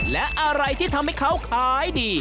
และอะไรที่ทำให้เขาขายดี